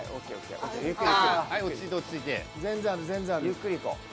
ゆっくりいこう。